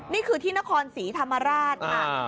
นี่คือที่นครศรีธรรมราชค่ะ